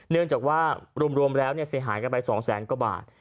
เนื่องจากว่ารวมแล้วเสียหายกันไป๒แสนกว่าบาท